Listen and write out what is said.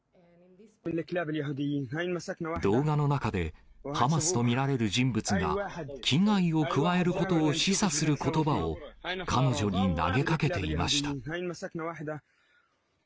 動画の中で、ハマスと見られる人物が、危害を加えることを示唆することばを彼女に投げかけていました。